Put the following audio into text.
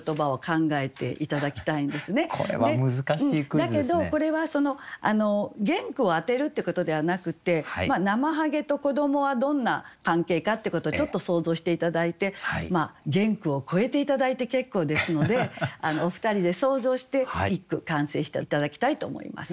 だけどこれは原句を当てるっていうことではなくてなまはげと子どもはどんな関係かっていうことをちょっと想像して頂いて原句を超えて頂いて結構ですのでお二人で想像して一句完成して頂きたいと思います。